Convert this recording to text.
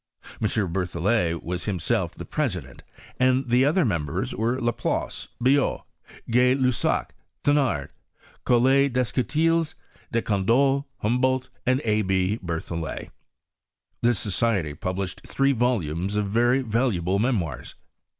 M. Berthollet was himself the president, and the other members were ta. Place, Biot, Gay Lussac, Thenard, Collet Descotib, Decandolle, Humboldt, and A. B. Berthollet. This society published three volumes of very valuable memoirs.